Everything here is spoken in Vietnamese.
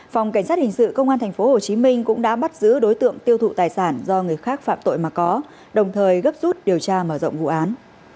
phòng cảnh sát hình sự công an tp hcm cũng đã bắt giữ đối tượng tiêu thụ tài sản do người khác phạm tội mà có đồng thời gấp rút điều tra mở rộng vụ án